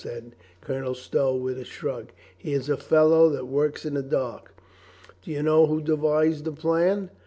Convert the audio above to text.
said Colonel Stow, with a shrug. "He is a fellow that works in the dark." "Do you know who devised the plan?"